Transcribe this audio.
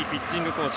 コーチ